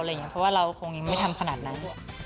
เพราะว่าเราคงยังไม่ทำขนาดนั้น